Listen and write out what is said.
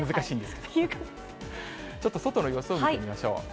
ちょっと外の様子を見てみましょう。